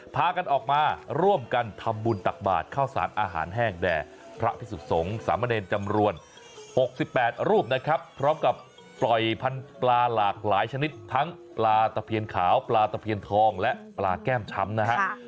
พากันออกมาร่วมกันทำบุญตักบาทข้าวสารอาหารแห้งแด่พระพิสุทธิสงฆ์สามเณรจำนวน๖๘รูปนะครับพร้อมกับปล่อยพันธุ์ปลาหลากหลายชนิดทั้งปลาตะเพียนขาวปลาตะเพียนทองและปลาแก้มช้ำนะฮะ